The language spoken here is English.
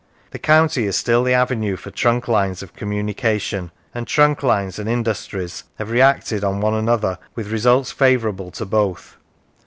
The county is still the avenue for trunk lines of communication, and trunk lines arid industries have reacted on one another with results favourable to both.